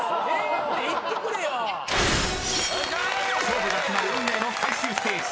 ［勝負が決まる運命の最終ステージ］